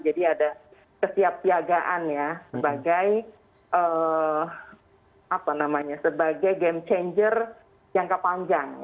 jadi ada kesiapsiagaan ya sebagai game changer jangka panjang